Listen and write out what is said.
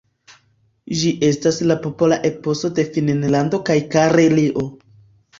Ĝi estas la popola eposo de Finnlando kaj Karelio.